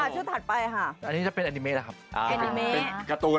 ชุดถัดไปค่ะอันนี้จะเป็นอ่าอันนิเมะอ่าอันต้น